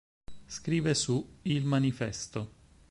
Scrive su "il manifesto".